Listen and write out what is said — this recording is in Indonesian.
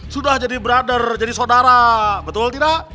sudah jadi brother jadi saudara betul tidak